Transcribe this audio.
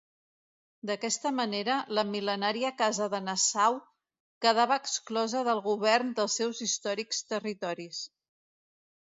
D'aquesta manera, la mil·lenària casa de Nassau quedava exclosa del govern dels seus històrics territoris.